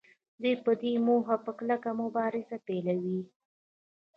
دوی په دې موخه په کلکه مبارزه پیلوي